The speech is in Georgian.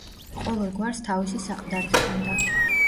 ყოველ გვარს თავისი საყდარი ჰქონდა.